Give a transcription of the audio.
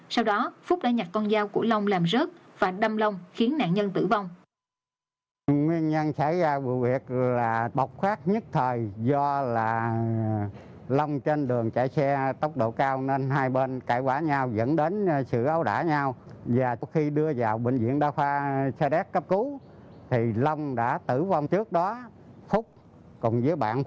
sau đó phúc đã nhặt con dao của long làm rớt và đâm long khiến nạn nhân tử vong